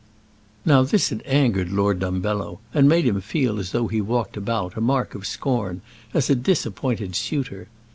Now this had angered Lord Dumbello, and made him feel as though he walked about, a mark of scorn, as a disappointed suitor.